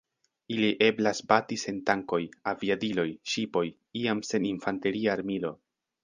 Ili eblas bati sen tankoj, aviadiloj, ŝipoj, iam sen infanteria armilo.